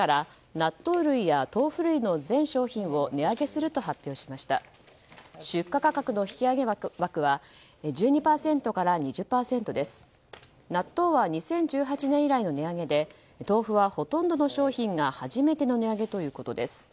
納豆は２０１８年以来の値上げで豆腐はほとんどの商品が初めての値上げということです。